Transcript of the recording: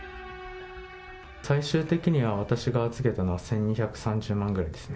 最終的には、私が預けたのは１２３０万ぐらいですね。